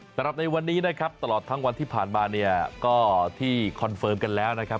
สำหรับในวันนี้นะครับตลอดทั้งวันที่ผ่านมาเนี่ยก็ที่คอนเฟิร์มกันแล้วนะครับ